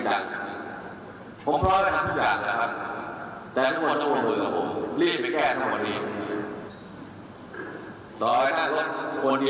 อ่ะนายยกถามว่าถ้าใช้มาตรการเด็ดขาดประชาชนโอ้โหมันก็ไม่มีความคิดว่าจะต้องการแบบนี้